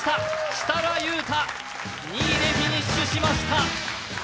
設楽悠太、２位でフィニッシュしました。